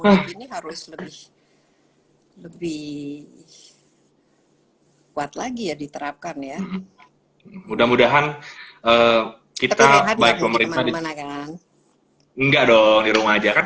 lebih kuat lagi ya diterapkan ya mudah mudahan kita baik pemerintah di mana mana kan nggak dong di rumah aja kan